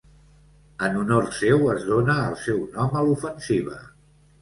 En honor seu es dóna el seu nom a l’ofensiva.